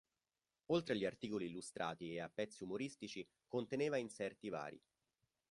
Oltre agli articoli illustrati e a pezzi umoristici conteneva inserti vari.